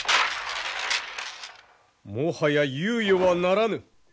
もはや猶予はならぬ。